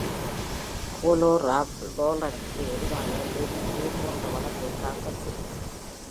Polo Ralph லாரனுக்கு எதிராக Levi இதேபோன்ற வழக்கைத் தாக்கல் செய்தார்.